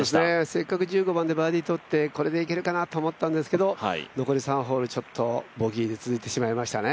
せっかく１５番でバーディーとってこれでいけるかなと思ったんですけど残り３ホール、ボギーが続いてしまいましたね。